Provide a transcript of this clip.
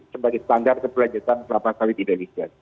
sebagai standar keberanjutan kelapa sawit indonesia